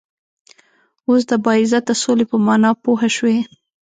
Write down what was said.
وس د باعزته سولی په معنا پوهه شوئ